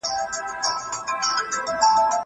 هغه څوک چي ونه ساتي ګټه کوي!!